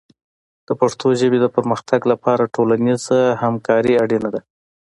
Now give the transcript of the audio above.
د پښتو ژبې د پرمختګ لپاره ټولنیز همکاري اړینه ده.